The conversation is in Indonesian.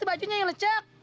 tuh bajunya yang lecek